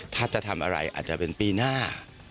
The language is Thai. ถ้าจะทำอะไรอาจจะเป็นปีหน้า